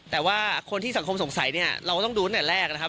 แต่ว่าคนที่สังคมสงสัยเนี่ยเราก็ต้องดูตั้งแต่แรกนะครับ